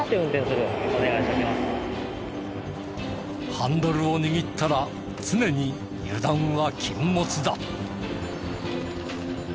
ハンドルを握ったら常に油断は禁物だ。